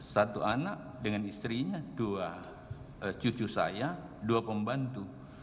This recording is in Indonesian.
satu anak dengan istrinya dua cucu saya dua pembantu